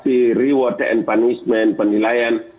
jadi reward and punishment penilaian